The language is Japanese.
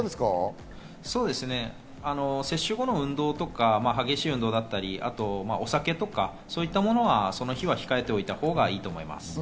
接種後の運動とか、激しい運動だったり、お酒とか、そういったものはその日は控えておいたほうがいいと思います。